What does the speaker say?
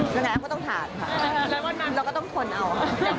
ยังไงเค้าก็ต้องถามเราก็ต้องควรเอา